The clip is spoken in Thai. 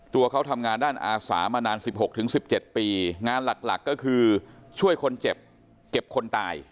ตัวเขาทำงานด้านอาสามานาน๑๖๑๗ปีงานหลักก็คือช่วยคนเจ็บเก็บคนตาย